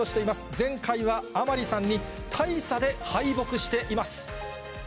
前回は甘利さんに大差で敗北しています。